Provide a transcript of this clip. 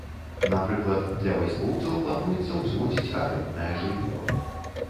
Напрыклад, для вайскоўцаў плануецца ўзводзіць арэнднае жыллё.